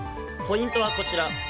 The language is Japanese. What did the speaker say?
ポイントはこちら。